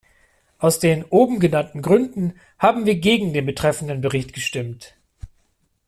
Aus den oben genannten Gründen haben wir gegen den betreffenden Bericht gestimmt.